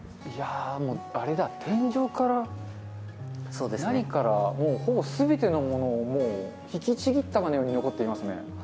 いや、もうあれだ、天井から何からもう、ほぼすべてのものを引きちぎったかのように残ってますね。